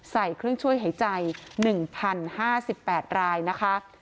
ใส่เครื่องช่วยหายใจ๑๐๕๘รายนะคะ